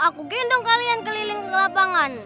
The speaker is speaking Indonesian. aku gendong kalian keliling ke lapangan